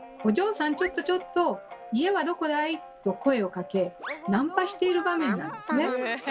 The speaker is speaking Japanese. ちょっとちょっと家はどこだい？」と声をかけナンパしている場面なんですね。